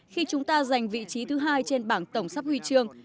khi chúng ta giành vị trí thứ hai trên bảng tổng sắp huy chương